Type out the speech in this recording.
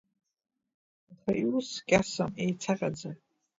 Аха иус кьасам, еицаҟьаӡам.